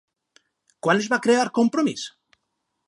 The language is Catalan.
Quan es va crear Compromís?